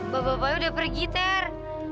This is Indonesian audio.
bapak bapaknya udah pergi ter